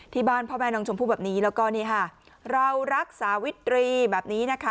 ที่บ้านพ่อแม่น้องชมพู่แบบนี้แล้วก็นี่ค่ะเรารักษาิตรีแบบนี้นะคะ